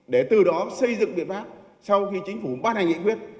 để từ đó xây dựng biện pháp sau khi chính phủ ban hành nghị quyết